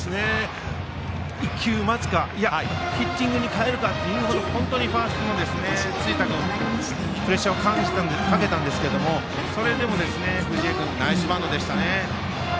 １球待つかヒッティングに変えるかというぐらい本当にファーストの辻田君プレッシャーをかけたんですがそれでも藤江君ナイスバントでしたね。